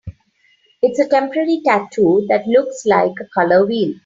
It's a temporary tattoo that looks like... a color wheel?